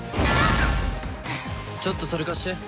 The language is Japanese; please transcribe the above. ちょっとそれ貸して。